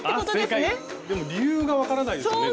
でも理由が分からないですよね